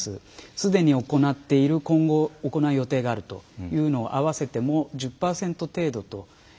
すでに行っている今後行う予定があるというのを合わせても１０％程度ということです。